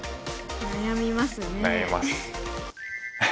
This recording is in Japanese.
悩みます。